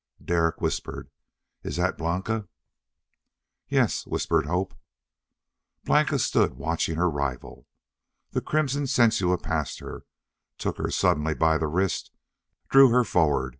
Derek whispered, "Is that Blanca?" "Yes," whispered Hope. Blanca stood watching her rival. The crimson Sensua passed her, took her suddenly by the wrist, drew her forward.